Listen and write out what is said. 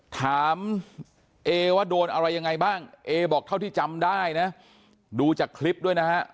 ถามเอว่าโดนอะไรยังไงบ้างเอบอกเท่าที่จำได้นะดูจากคลิปด้วยนะฮะ